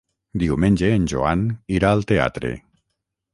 Diumenge en Joan irà al teatre.